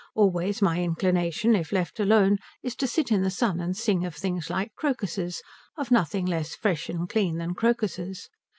Always my inclination if left alone is to sit in the sun and sing of things like crocuses, of nothing less fresh and clean than crocuses.